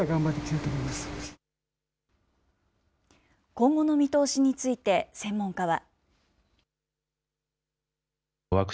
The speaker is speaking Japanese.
今後の見通しについて専門家は。